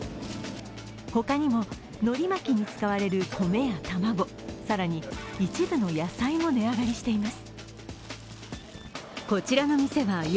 ほかにものり巻きに使われる米や卵、更に一部の野菜も値上がりしています。